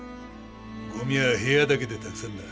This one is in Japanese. ゴミは部屋だけでたくさんだ。